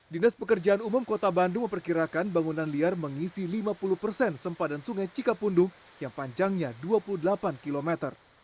dinas pekerjaan umum kota bandung memperkirakan bangunan liar mengisi lima puluh persen sempadan sungai cikapundung yang panjangnya dua puluh delapan kilometer